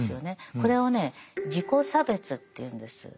これをね自己差別というんです。